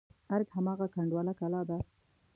ارګ هماغه کنډواله کلا ده.